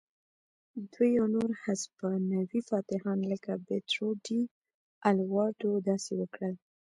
دوی او نور هسپانوي فاتحان لکه پیدرو ډي الواردو داسې وکړل.